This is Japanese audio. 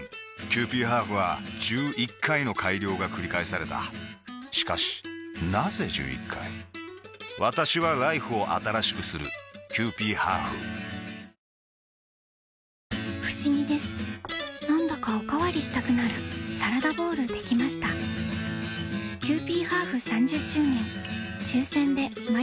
キユーピーハーフは１１回の改良がくり返されたしかしなぜ１１回私はＬＩＦＥを新しくするキユーピーハーフふしぎですなんだかおかわりしたくなるサラダボウルできましたキユーピーハーフ３０周年